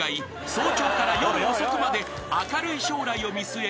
早朝から夜遅くまで明るい将来を見据え